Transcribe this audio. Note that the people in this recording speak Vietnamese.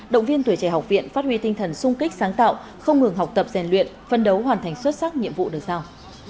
động viên tuổi trẻ học viện phát huy tinh thần sung kích sáng tạo không ngừng học tập rèn luyện phân đấu hoàn thành xuất sắc nhiệm vụ được giao